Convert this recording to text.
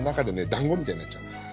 だんごみたいになっちゃう。